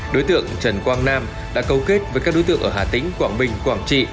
đối tượng trần quang nam đã câu kết với các đối tượng ở hà tĩnh quảng bình quảng trị